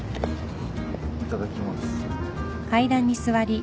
いただきます。